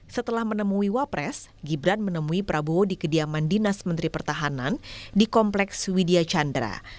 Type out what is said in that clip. setelah menemui wapres gibran menemui prabowo di kediaman dinas menteri pertahanan di kompleks widya chandra